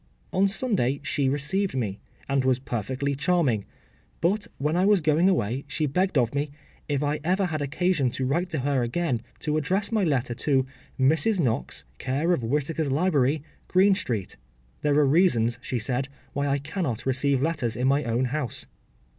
” On Sunday she received me, and was perfectly charming; but when I was going away she begged of me, if I ever had occasion to write to her again, to address my letter to “Mrs. Knox, care of Whittaker’s Library, Green Street.” “There are reasons,” she said, “why I cannot receive letters in my own house.